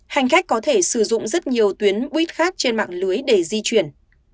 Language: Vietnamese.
hành khách có thể sử dụng rất nhiều tuyến buýt khác trên mạng lưới để di chuyển